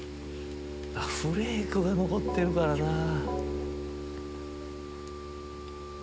フレークが残ってるからなぁ。